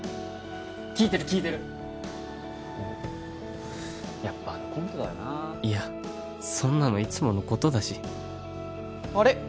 聞いてる聞いてるおうやっぱあのコントだよないやそんなのいつものことだしあれ？